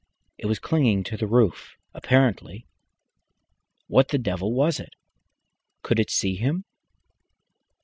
It was clinging to the roof apparently. What the devil was it? Could it see him?